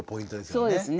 そうですね。